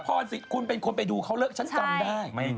คุณพรสะพรสิคุณเป็นคนไปดูเขาเลิกชั้นกรรมได้